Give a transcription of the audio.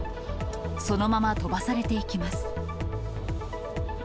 そのまま飛ばされていきます。